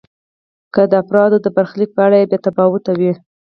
که د افرادو د برخلیک په اړه بې تفاوت وي.